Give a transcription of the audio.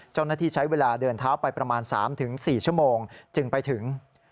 เจ้าหน้าที่ใช้เวลาเดินเท้าไปประมาณ๓๔ชั่วโมงจึงไปถึง